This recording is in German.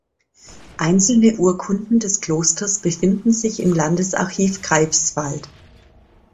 Einzelne Urkunden des Klosters befinden sich im Landesarchiv Greifswald.